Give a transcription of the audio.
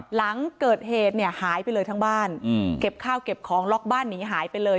หลังเกิดเหตุเนี่ยหายไปเลยทั้งบ้านเก็บข้าวเก็บของล็อกบ้านหนีหายไปเลย